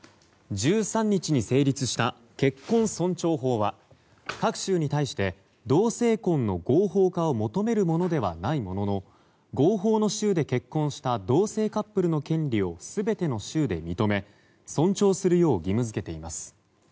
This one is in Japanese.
１３日に成立した結婚尊重法は各州に対して、同性婚の合法化を求めるものではないものの合法の州で結婚した同性カップルの権利を全ての州で認め尊重するよう義務付けています。